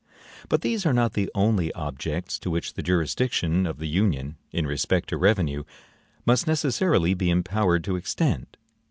But these are not the only objects to which the jurisdiction of the Union, in respect to revenue, must necessarily be empowered to extend.